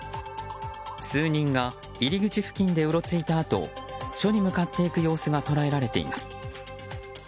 数人が入り口付近でうろついたあと署に向かっていく様子が捉えられています。